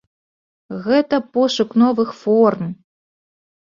Гэта пошук новых форм.